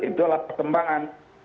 itu adalah perkembangan